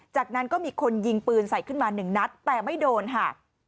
จากนั้นก็มีคนยิงปืนใส่ขึ้นมาหนึ่งนัดแต่ไม่โดนค่ะ